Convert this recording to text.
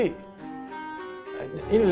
kamu ngapain tadi